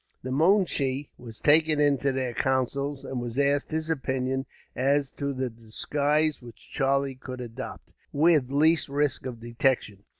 The moonshee was taken into their counsels, and was asked his opinion as to the disguise which Charlie could adopt, with least risk of detection.